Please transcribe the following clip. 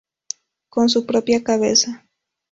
Con su propia cabeza.